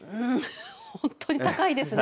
本当に高いですね。